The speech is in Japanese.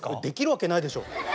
できるわけないでしょ！